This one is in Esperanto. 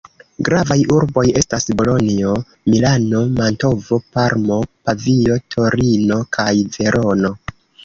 Gravaj urboj estas Bolonjo, Milano, Mantovo, Parmo, Pavio, Torino kaj Verono.